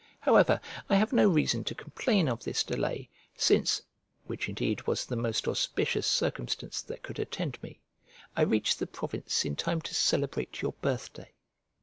However, I have no reason to complain of this delay, since (which indeed was the most auspicious circumstance that could attend me) I reached the province in time to celebrate your birthday.